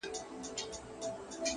ستا د تن سايه مي په وجود كي ده!